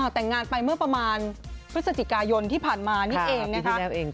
แต่งงานไปเมื่อประมาณพฤศจิกายนที่ผ่านมานี่เองนะคะ